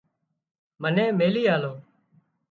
منين ميلي آلو